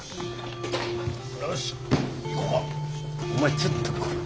お前ちょっと来い。